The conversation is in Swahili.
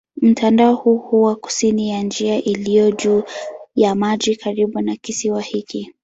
Mtandao huu huwa kusini ya njia iliyo juu ya maji karibu na kisiwa hiki.